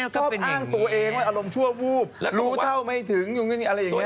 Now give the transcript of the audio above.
ชอบอ้างตัวเองว่าอารมณ์ชั่ววูบรู้เท่าไม่ถึงอะไรอย่างนี้